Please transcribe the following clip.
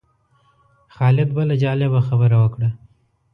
خالد بله جالبه خبره وکړه.